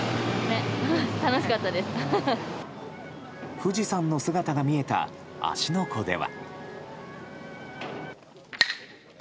富士山の姿が見えた芦ノ湖では。